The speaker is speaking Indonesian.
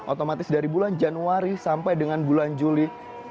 otomatis dari bulan januari sampai dengan bulan juli